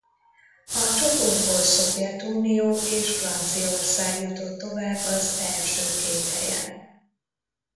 A csoportból Szovjetunió és Franciaország jutott tovább az első két helyen.